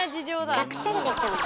隠せるでしょ。